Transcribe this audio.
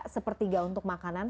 sepertiga untuk makanan